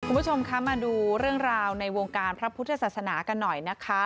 คุณผู้ชมคะมาดูเรื่องราวในวงการพระพุทธศาสนากันหน่อยนะคะ